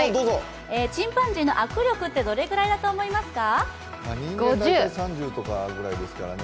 チンパンジーの握力ってどれくらいだと思いますか？